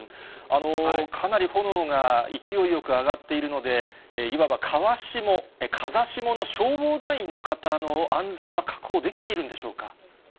かなり炎が勢いよく上がっているので、いわば川下、風下の消防団員の方の安全は確保できているんでしょうか。